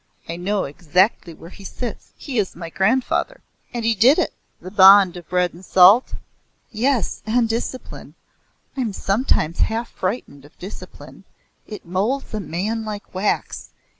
I know exactly where he sits. He is my grandfather.' And he did it!" "The bond of bread and salt?" "Yes, and discipline. I'm sometimes half frightened of discipline. It moulds a man like wax.